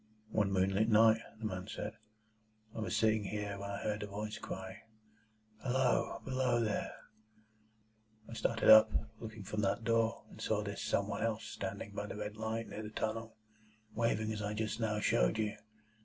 "One moonlight night," said the man, "I was sitting here, when I heard a voice cry, 'Halloa! Below there!' I started up, looked from that door, and saw this Some one else standing by the red light near the tunnel, waving as I just now showed you.